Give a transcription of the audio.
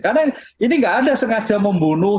karena ini tidak ada sengaja membunuh